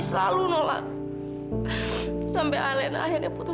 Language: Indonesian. selalu nolong aku tapi kamu selalu nolong aku tapi kamu selalu nolong aku tapi kamu selalu nolong aku